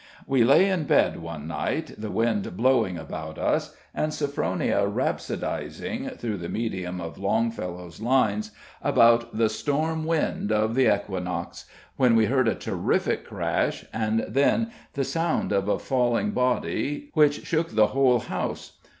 We lay in bed one night, the wind howling about us, and Sophronia rhapsodising, through the medium of Longfellow's lines, about "The storm wind of the Equinox," when we heard a terrific crash, and then the sound of a falling body which shook the whole house.